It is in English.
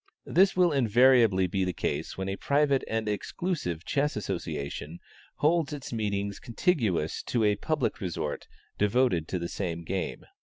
This will invariably be the case when a private and exclusive chess association holds its meetings contiguous to a public resort devoted to the same game.